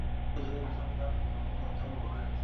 এজন্য সুচরিতার সঙ্গে তাঁহার সম্বন্ধ অত্যন্ত গভীর হইয়াছিল।